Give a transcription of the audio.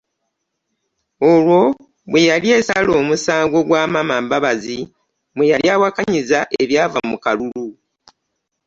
Olwo bwe yali esala omusango gwa Amama Mbabazi mwe yali awakanyiza ebyava mu kalulu.